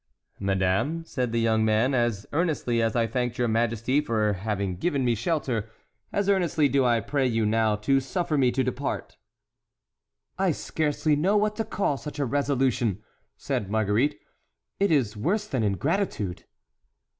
"Madame," said the young man, "as earnestly as I thanked your majesty for having given me shelter, as earnestly do I pray you now to suffer me to depart." "I scarcely know what to call such a resolution," said Marguerite; "it is worse than ingratitude."